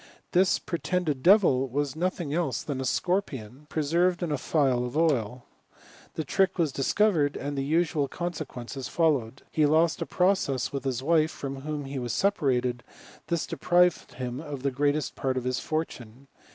This pretended devil was no J^ng else than a scorpion, preserved in a phial of oil. *he trick was discovered, and the usual consequences J^Howed. He lost a process with his wife, from whom ^ Was separated ; this deprived him of the greatest prt of his fortune.